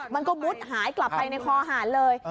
มันก็มุดหายกลับไปในคอหารเลย